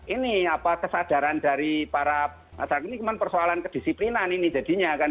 ini apa kesadaran dari para masyarakat ini cuma persoalan kedisiplinan ini jadinya kan